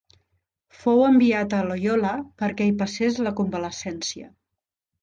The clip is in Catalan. Fou enviat a Loiola perquè hi passés la convalescència.